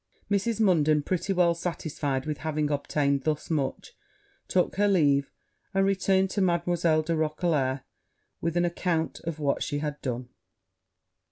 Mrs. Munden, pretty well satisfied with having obtained thus much, took her leave; and returned to Mademoiselle de Roquelair, with an account of what she had done.